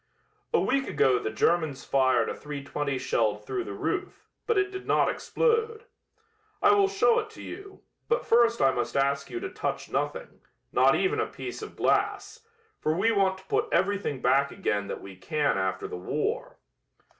"A week ago the Germans fired a .320 shell through the roof, but it did not explode. I will show it to you, but first I must ask you to touch nothing, not even a piece of glass, for we want to put everything back again that we can after the war."